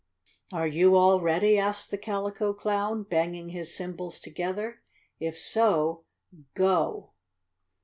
"Are you all ready?" asked the Calico Clown, banging his cymbals together. "If so go!"